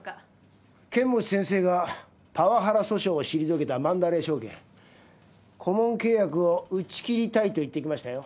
剣持先生がパワハラ訴訟を退けたマンダレイ証券顧問契約を打ち切りたいと言ってきましたよ。